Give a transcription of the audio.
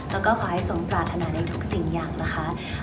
แล้วก็ขอให้สมปรารถนาในทุกสิ่งอย่างนะคะ